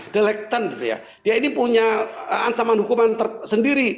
dia ini punya ancaman hukuman sendiri